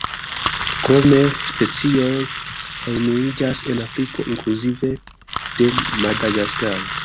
Krome specioj hejmiĝas en Afriko inkluzive de Madagaskaro.